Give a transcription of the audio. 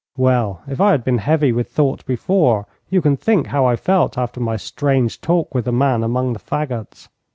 Well, if I had been heavy with thought before, you can think how I felt after my strange talk with the man among the fagots.